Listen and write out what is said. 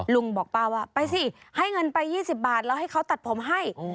ลุงบอกป้าว่าไปสิให้เงินไป๒๐บาทแล้วให้เขาตัดผมให้